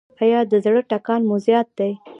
ایا د زړه ټکان مو زیات دی؟